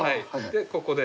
でここで。